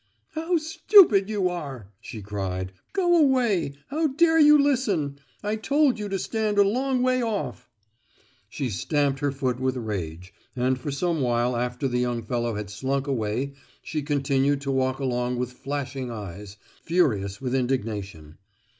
"How stupid you are," she cried; "go away. How dare you listen? I told you to stand a long way off!" She stamped her foot with rage, and for some while after the young fellow had slunk away she continued to walk along with flashing eyes, furious with indignation.